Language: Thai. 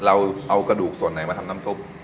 เราเอากระดูกส่วนไหนมาทำน้ำซุป